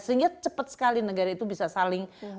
sehingga cepat sekali negara itu bisa saling belajar diantara kita